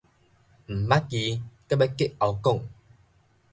毋捌字閣欲激喉管